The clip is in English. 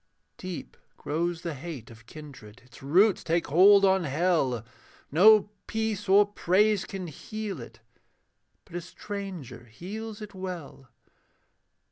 Deep grows the hate of kindred, Its roots take hold on hell; No peace or praise can heal it, But a stranger heals it well.